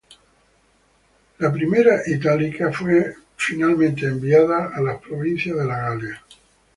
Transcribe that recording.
La I Italica fue finalmente enviada a las provincias de la Galia.